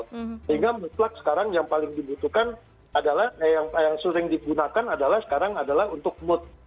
sehingga mutlak sekarang yang paling dibutuhkan adalah yang sering digunakan adalah sekarang adalah untuk mood